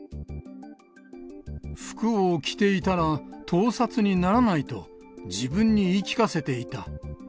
服を着ていたら、盗撮にならないと、自分に言い聞かせていた。